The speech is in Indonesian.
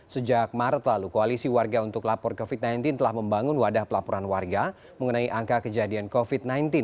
sejak maret lalu koalisi warga untuk lapor covid sembilan belas telah membangun wadah pelaporan warga mengenai angka kejadian covid sembilan belas